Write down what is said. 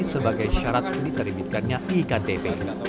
sebagai syarat diteribitkannya iktp